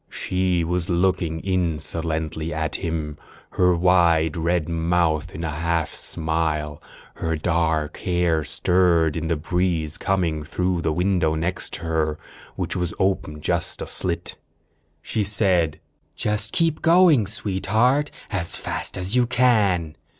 She was looking insolently at him, her wide red mouth in a half smile. Her dark hair stirred in the breeze coming through the window, next to her, which was open just a slit. She said: "Just keep going, Sweetheart, as fast as you can."